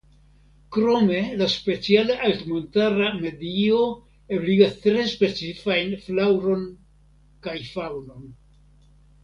Krome la speciala altmontara medio ebligas tre specifajn flaŭron kaj faŭnon.